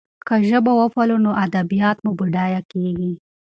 که ژبه وپالو نو ادبیات مو بډایه کېږي.